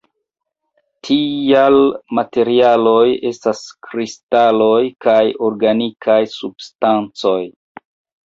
Tiaj materialoj estas kristaloj kaj organikaj substancoj.